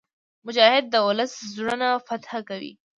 مجاهد د ولس زړونه فتح کوي.